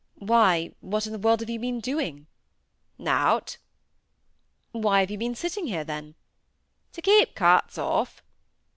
"Why, what in the world have you been doing?" "Nought." "Why have you been sitting here, then?" "T' keep carts off."